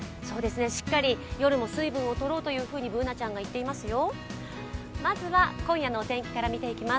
しっかり夜も水分を取ろうとＢｏｏｎａちゃんが言っていますよ。